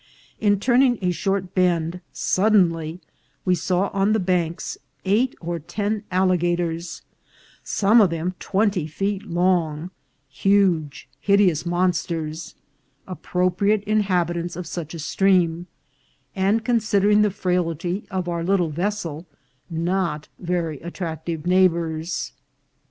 In turning a short bend, suddenly we saw on the banks eight or ten alli gators, some of them twenty feet long, huge, hideous THE USUMASINTA. 375 monsters, appropriate inhabitants of such a stream, and, considering the frailty of our little vessel, not very at tractive neighbours.